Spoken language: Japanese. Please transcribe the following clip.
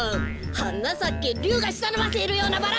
「はなさけりゅうがしたをのばしてるようなバラ」